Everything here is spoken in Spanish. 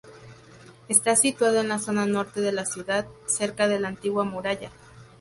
Está situado en la zona norte de la ciudad, cerca de la antigua muralla.